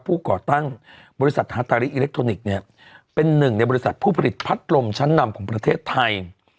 ก่อตั้งบริษัทฮาตาริอิเล็กทรอนิกส์เนี่ยเป็นหนึ่งในบริษัทผู้ผลิตพัดลมชั้นนำของประเทศไทย